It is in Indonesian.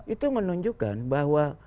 itu menunjukkan bahwa